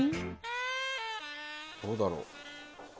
どうだろう？